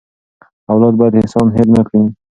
اولاد باید احسان هېر نه کړي.